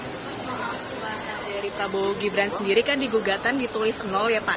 dari prabowo gibran sendiri kan digugatan ditulis ya pak